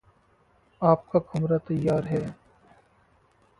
आपका कमरा तैयार है।